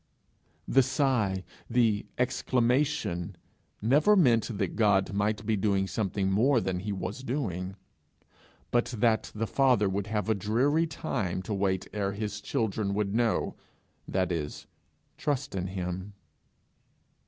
The sigh, the exclamation, never meant that God might be doing something more than he was doing, but that the Father would have a dreary time to wait ere his children would know, that is, trust in him.